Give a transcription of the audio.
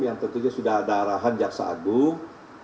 yang tentunya sudah ada arahan jaksa agung